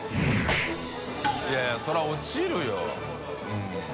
いやいやそれは落ちるよ。